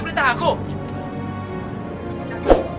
kalian tidak mau ikuti perintah aku